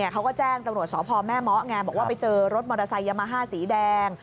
เขาก็แจ้งตำรวจสพแม่เมาะไงบอกว่าไปเจอรถมอเตอร์ไซค์ยามาฮ่าสีแดง